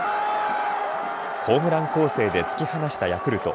ホームラン攻勢で突き放したヤクルト。